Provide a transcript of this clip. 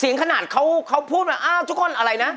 ขนาดเขาพูดมาอ้าวทุกคนอะไรนะ